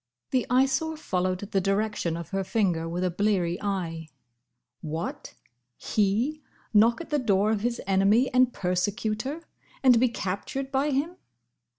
The Eyesore followed the direction of her finger with a bleary eye. What! He knock at the door of his enemy and persecutor! and be captured by him!